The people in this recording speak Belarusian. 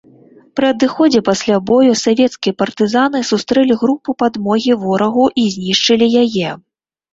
Пры адыходзе пасля бою савецкія партызаны сустрэлі групу падмогі ворагу і знішчылі яе.